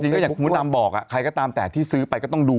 อย่างมดดำบอกใครก็ตามแต่ที่ซื้อไปก็ต้องดู